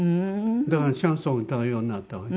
だからシャンソン歌うようになったわけ。